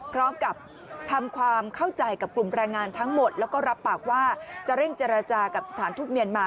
พร้อมกับทำความเข้าใจกับกลุ่มแรงงานทั้งหมดแล้วก็รับปากว่าจะเร่งเจรจากับสถานทูตเมียนมา